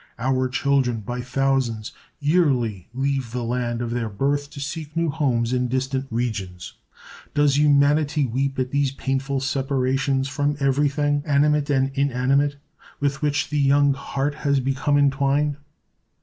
Our children by thousands yearly leave the land of their birth to seek new homes in distant regions. Does Humanity weep at these painful separations from every thing, animate and inanimate, with which the young heart has become entwined?